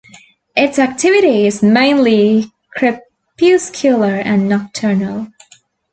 Its activity is mainly crepuscular and nocturnal.